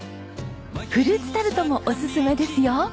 フルーツタルトもオススメですよ。